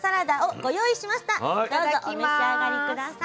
どうぞお召し上がり下さい。